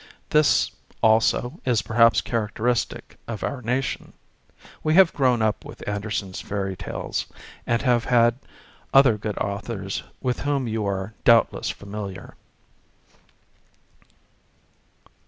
This, also, is perhaps characteristic of our nation. We have grown up with Andersen's Fairy Tales, and have had other good authors with whom you are doubtless familiar.